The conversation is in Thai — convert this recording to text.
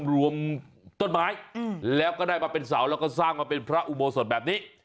รวมต้นไม้แล้วก็ได้มาเป็นเสาแล้วก็สร้างมาเป็นพระอุโบสถแบบนี้